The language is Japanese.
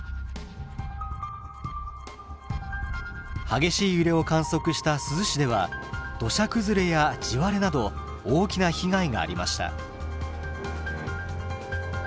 激しい揺れを観測した珠洲市では土砂崩れや地割れなど大きな被害がありました。